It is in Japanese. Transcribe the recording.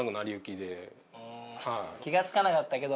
まあ気が付かなかったけど。